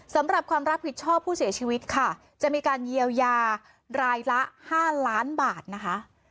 สำหรับความรับผิดชอบผู้เสียชีวิตค่ะจะมีการเยียวยารายละ๕ล้านบาทนะคะ